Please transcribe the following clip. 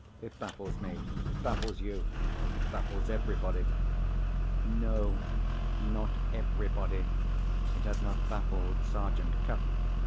It baffles me; it baffles you, it baffles everybody." No—not everybody. It had not baffled Sergeant Cuff.